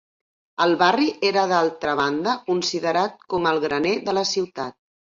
El barri era d'altra banda considerat com el graner de la ciutat.